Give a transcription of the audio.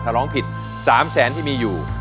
ถ้าร้องผิด๓๐๐๐๐๐บาทที่มีอยู่